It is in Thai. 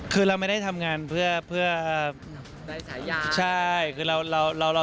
คือเราไม่ได้ทำงานเพื่อได้ฉายา